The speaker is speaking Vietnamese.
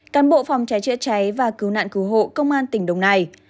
cán bộ phòng trái trịa trái và cứu nạn cứu hộ công an tỉnh đồng nai